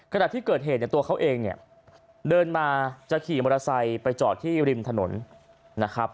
ขณะที่เกิดเหตุเนี่ยตัวเขาเองเนี่ยเดินมาจะขี่มอเตอร์ไซค์ไปจอดที่ริมถนนนะครับ